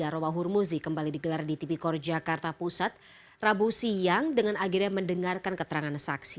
roha hurmuzi kembali digelar di tv kor jakarta pusat rabu siang dengan akhirnya mendengarkan keterangan saksi